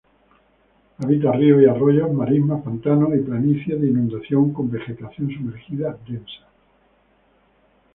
Habita ríos y arroyos, marismas, pantanos y planicies de inundación con vegetación sumergida densa.